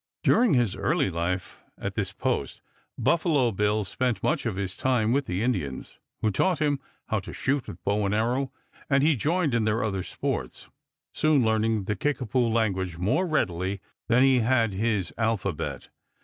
During his early life at this post Buffalo Bill spent much of his time with the Indians, who taught him how to shoot with bow and arrow, and he joined in their other sports, soon learning the Kickapoo language more readily than he had his alphabet.